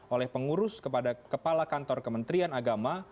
oleh pengurus kepada kepala kantor kementerian agama